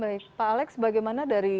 baik pak alex bagaimana dari